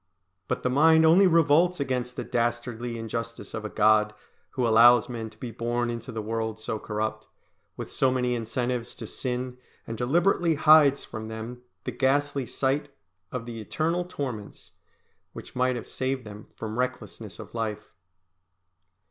But the mind only revolts against the dastardly injustice of a God, who allows men to be born into the world so corrupt, with so many incentives to sin, and deliberately hides from them the ghastly sight of the eternal torments, which might have saved them from recklessness of life.